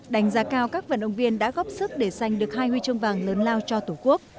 đánh giá cao các vận động viên đã góp sức để sanh được hai huy chương vàng lớn lao cho tổ quốc